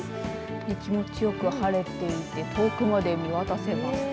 気持ちよく晴れていて遠くまで見渡せますね。